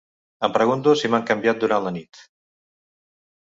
Em pregunto si m'han canviat durant la nit?